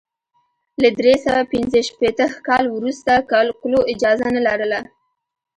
له درې سوه پنځه شپېته کال وروسته کلو اجازه نه لرله.